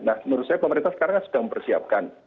nah menurut saya pemerintah sekarang kan sudah mempersiapkan